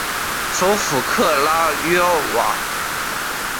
首府克拉约瓦。